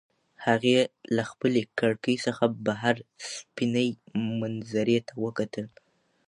هیلې له خپلې کړکۍ څخه بهر سپینې منظرې ته وکتل.